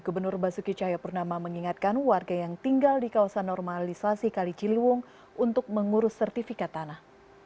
gubernur basuki cahayapurnama mengingatkan warga yang tinggal di kawasan normalisasi kali ciliwung untuk mengurus sertifikat tanah